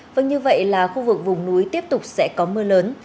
vâng như vậy là khu vực vùng núi tiếp tục sẽ có mưa lớn